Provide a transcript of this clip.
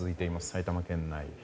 埼玉県内。